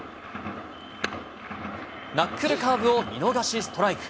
ナックルカーブを見逃しストライク。